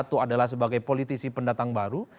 satu adalah sebagai politisi pendatang baru